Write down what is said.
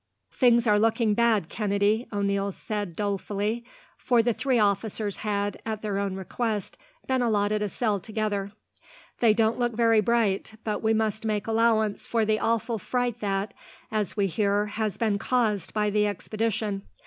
"Things are looking bad, Kennedy," O'Neil said dolefully, for the three officers had, at their own request, been allotted a cell together. "They don't look very bright, but we must make allowance for the awful fright that, as we hear, has been caused by the expedition.